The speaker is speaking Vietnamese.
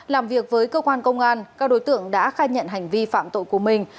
làm việc với cơ quan công an các đối tượng đã khai nhận hành vi phạm tội của mình